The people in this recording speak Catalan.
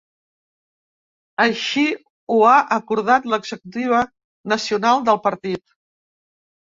Així ho ha acordat l’executiva nacional del partit.